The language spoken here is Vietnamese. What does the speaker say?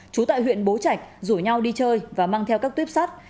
trú tại huyện bố trạch rủ nhau đi chơi và mang theo các tuyếp sắt